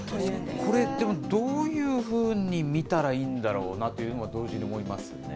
これ、でも、どういうふうに見たらいいんだろうなというのが同時に思いますよ